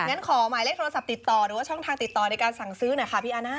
งั้นขอหมายเลขโทรศัพท์ติดต่อหรือว่าช่องทางติดต่อในการสั่งซื้อหน่อยค่ะพี่อาน่า